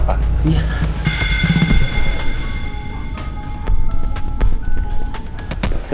baik pac total